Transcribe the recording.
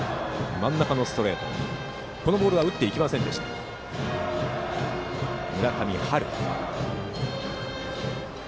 真ん中のストレートは打っていきませんでした村上。